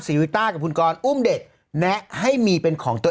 สีวิต้ากับคุณกรนิดหนึ่งดีกว่านะครับแฟนแห่เชียร์หลังเห็นภาพ